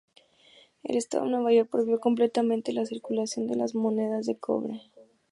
El Estado de Nueva York prohibió completamente la circulación de las monedas de cobre.